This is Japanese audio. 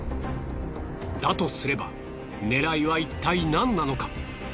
だとすれば狙いはいったい何なのか。